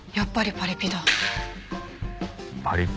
パリピ？